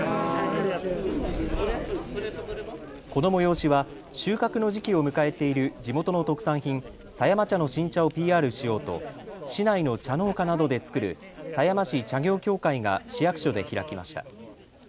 この催しは収穫の時期を迎えている地元の特産品、狭山茶の新茶をＰＲしようと市内の茶農家などで作る狭山市茶業協会が市役所で開きました。